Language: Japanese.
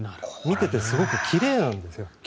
見ていてすごく奇麗なんですよ。